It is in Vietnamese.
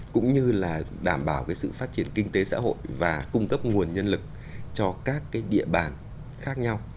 cũng như là đảm bảo cái sự phát triển kinh tế xã hội và cung cấp nguồn nhân lực cho các cái địa bàn khác nhau